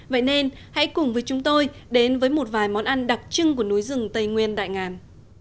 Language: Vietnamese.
vậy nên hãy cùng với chúng tôi đến với một vài món ăn đặc trưng của núi rừng tây nguyên đại ngàn